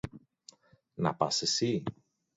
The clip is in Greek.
Να πας εσύ!